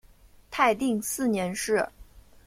泰定四年事。